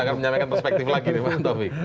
silahkan menyampaikan perspektif lagi nih pak taufik